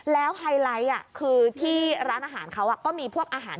แล้วไฮไลท์คือที่ร้านอาหารเขาก็มีพวกอาหาร